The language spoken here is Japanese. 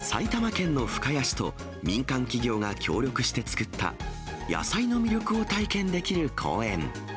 埼玉県の深谷市と、民間企業が協力して作った、野菜の魅力を体験できる公園。